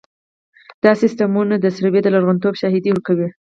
دا سیستمونه د سروې د لرغونتوب شاهدي ورکوي